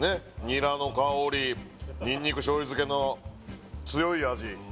ニラの香りニンニク醤油漬けの強い味